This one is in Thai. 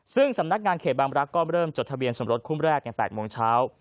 ซึ่งสำนักงานเขตบางรักษ์ก็เริ่มจดทะเบียนสมรสคุ้มแรกใน๘โมงเช้า